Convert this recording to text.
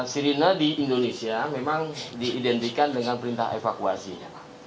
sirine di indonesia memang diidentikan dengan perintah evakuasinya